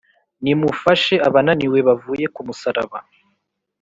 nimufashe abananiwe bavuye ku musaraba.